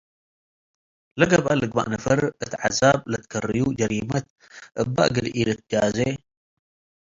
ለገብአ ልግበእ ነፈር እት ዐዛብ ለትከርዩ ጀሪመት እበ እግል ኢልትጃዜ